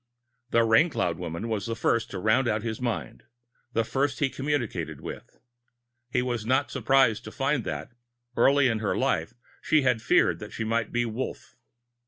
The Raincloud woman was the first to round out in his mind, and the first he communicated with. He was not surprised to find that, early in her life, she had feared that she might be Wolf.